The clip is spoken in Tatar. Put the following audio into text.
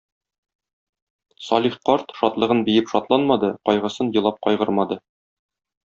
Салих карт шатлыгын биеп шатланмады, кайгысын елап кайгырмады.